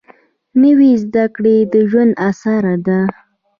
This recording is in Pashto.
نوې زده کړه د ژوند اسره ده